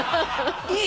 いい。